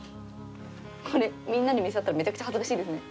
みんなで見せ合ったらめちゃくちゃ恥ずかしいですね。